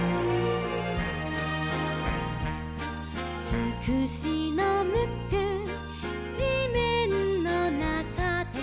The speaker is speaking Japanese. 「つくしのムックじめんのなかで」